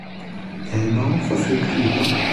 Ellmau verfügt über